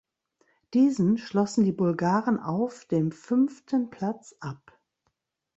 Diesen schlossen die Bulgaren auf dem fünften Platz ab.